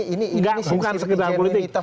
ini bukan sekedar politik